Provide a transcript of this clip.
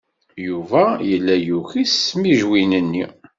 Yuba yella yuki s tmijwin-nni.